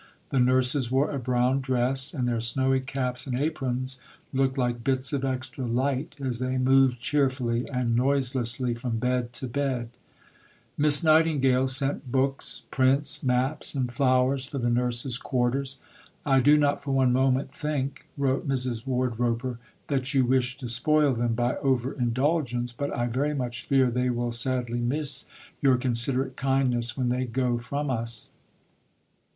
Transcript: "The nurses wore a brown dress, and their snowy caps and aprons looked like bits of extra light as they moved cheerfully and noiselessly from bed to bed." Miss Nightingale sent books, prints, maps, and flowers for the nurses' quarters. "I do not for one moment think," wrote Mrs. Wardroper, "that you wish to spoil them by over indulgence, but I very much fear they will sadly miss your considerate kindness when they go from us."